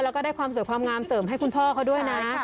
แล้วก็ได้ความสวยความงามเสริมให้คุณพ่อเขาด้วยนะ